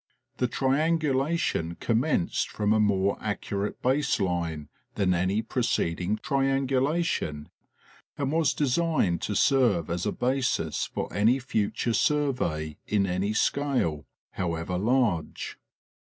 The triangulation commenced from a more accurate baseline than any preceding triangulation, and was designed to serve as a basis for any future survey in any scale, however large.